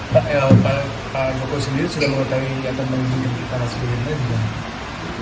pak el pak boko sendiri sudah mengatakan yang kita harus berikan